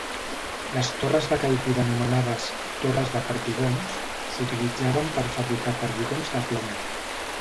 Les torres de caiguda anomenades "torres de perdigons" s'utilitzaven per fabricar perdigons de plom.